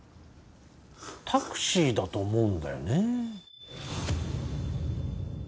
タクシーだと思うんだよね。